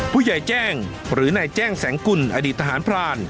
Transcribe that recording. ผู้ใหญ่แจ้งหรือนายแจ้งแสงกุลอดีตทหารพราน